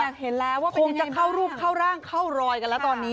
อยากเห็นแล้วว่าคงจะเข้ารูปเข้าร่างเข้ารอยกันแล้วตอนนี้